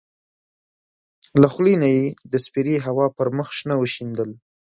له خولې نه یې د سپېرې هوا پر مخ شنه وشیندل.